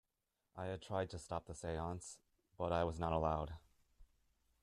I had tried to stop the seance, but I was not allowed.